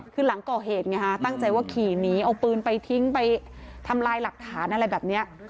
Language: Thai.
คือหลังก่อเหตุไงฮะตั้งใจว่าขี่หนีเอาปืนไปทิ้งไปทำลายหลักฐานอะไรแบบนี้